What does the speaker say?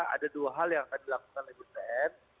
ada dua hal yang akan dilakukan oleh bpn